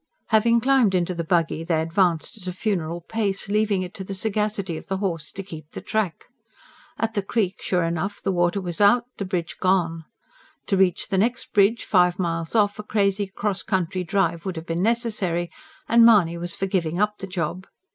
Having climbed into the buggy they advanced at a funeral pace, leaving it to the sagacity of the horse to keep the track. At the creek, sure enough, the water was out, the bridge gone. To reach the next bridge, five miles off, a crazy cross country drive would have been necessary; and Mahony was for giving up the job.